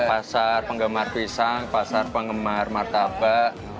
pasar penggemar pisang pasar penggemar martabak